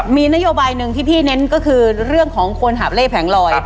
มีนโยบายหนึ่งที่พี่เน้นก็คือเรื่องของคนหาบเล่แผงลอย